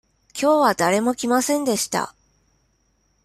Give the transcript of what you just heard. きょうは誰も来ませんでした。